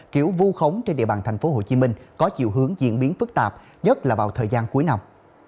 kiểu vu khống trên địa bàn tp hcm có chiều hướng diễn biến phức tạp nhất là vào thời gian cuối năm